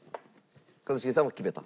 一茂さんもう決めた？